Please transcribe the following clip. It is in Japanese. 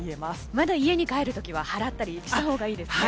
まだ家に帰る時は払ったりしたほうがいいですね。